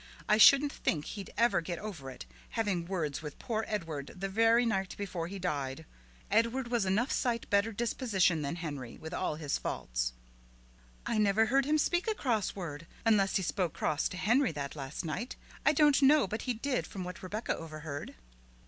I shouldn't think he'd ever get over it, having words with poor Edward the very night before he died. Edward was enough sight better disposition than Henry, with all his faults." "I never heard him speak a cross word, unless he spoke cross to Henry that last night. I don't know but he did from what Rebecca overheard."